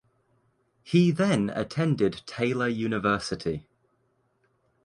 He then attended Taylor University.